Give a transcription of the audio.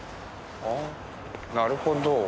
ああなるほど。